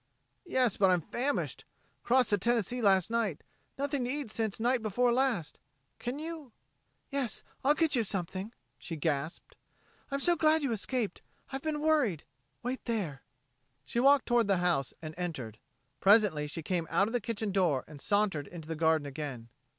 "Yes, but I'm famished. Crossed the Tennessee last night nothing to eat since night before last. Can you...?" "Yes, I'll get you something," she gasped. "I'm so glad you escaped. I've been worried.... Wait there." She walked toward the house and entered. Presently she came out of the kitchen door and sauntered into the garden again.